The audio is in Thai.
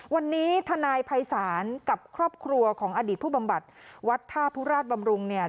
วันนี้ทนายภัยศาลกับครอบครัวของอดีตผู้บำบัดวัดท่าพุราชบำรุงเนี่ย